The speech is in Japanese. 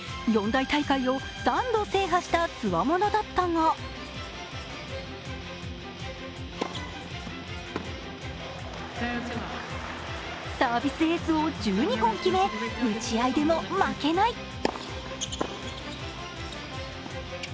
四大大会を３度制覇したつわものだったがサービスエースを１２本決め打ち合いでも負けない。